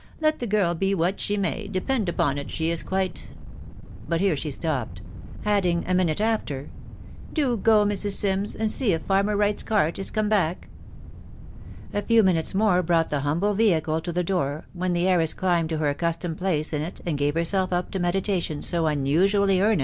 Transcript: u Let the girl be what she may, depend upon it she is quite ...." but here she stopped ; adding a minute after, " Do go, Mrs. Sims, and see if farmer Wright's cart is come back." A few minutes more brought the 1axxmY>\e <*&&&&.\» ^nr. door, when the heiress climbed to "her acc,\\a\«tofc\ ^&Rfc va> it, and gave herself up to meditation ao xroosa^i «ke&«*.